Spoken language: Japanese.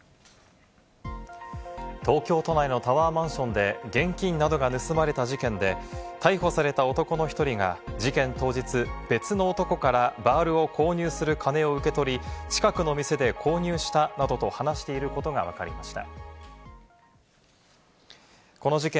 東京都内のタワーマンションで現金などが盗まれた事件で、逮捕された男の１人が事件当日、別の男からバールを購入する金を受け取り、近くの店で購入したなどと話していることがわかりました。